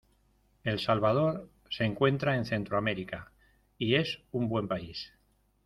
El Salvador se encuentra en centromerica y es un buen país.